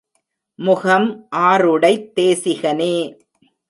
முகம் ஆறுடைத் தேசிகனே!